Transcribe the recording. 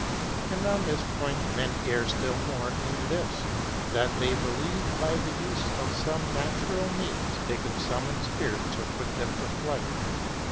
And on this point men err still more in this, that they believe by the use 01 some natural means they can summon spirits or put them to flight.